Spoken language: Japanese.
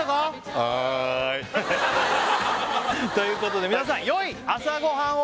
はーいということで皆さんよい朝ごはんを！